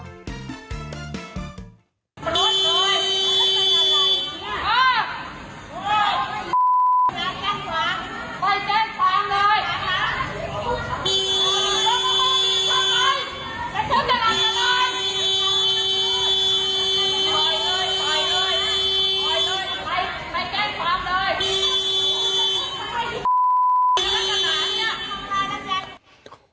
ปล่อยเรื่อยใครแกล้งฟังเลย